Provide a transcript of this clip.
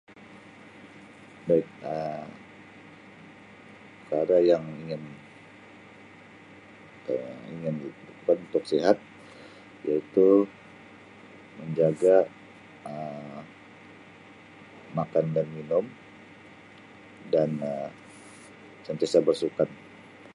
Baik Um perkara yang ingin Um ingin di [unintelligible] untuk sihat iaitu menjaga Um makan dan minum dan Um sentiasa bersukan.